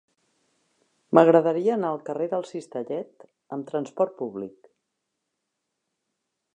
M'agradaria anar al carrer del Cistellet amb trasport públic.